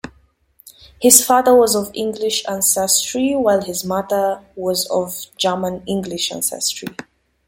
His father was of English ancestry, while his mother was of German-English ancestry.